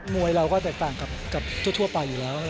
มวยเราก็แตกต่างกับทั่วไปอยู่แล้ว